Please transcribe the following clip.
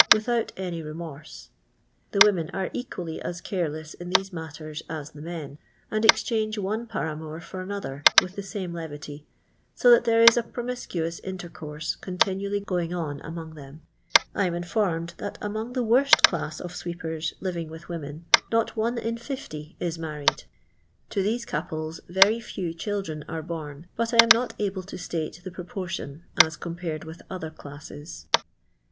without any rcniorM*. Tlie wonitm are equally as ! i arrlcss in thcso matters as the men, and exchange i 0111' paramour for another with the Simie levity, so thai there is a promiscuous intercourse con tinually going on among them. I am informed that, among the worst class of sweepers living I with women, not one in 50 is married. To these •' couples Ter}' few cbildren are bom ; but I am not able to state the proportion as compared with other classes. Th'.